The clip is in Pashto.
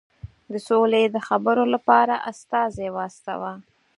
د سولي د خبرو لپاره استازی واستاوه.